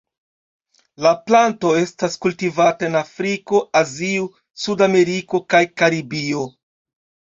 La planto estas kultivata en Afriko, Azio, Sudameriko kaj Karibio.